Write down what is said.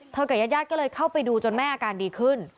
เธอกับยัดก็เลยเข้าไปดูจนแม่อาการดีขึ้น